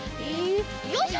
よいしょ。